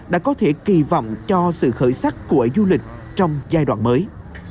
đã có thể kỳ vọng cho sự khởi sắc của du lịch trong giai đoạn mới